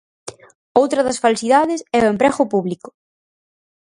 Outra das falsidades é o emprego público.